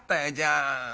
あ